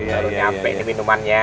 baru nyampe ini minumannya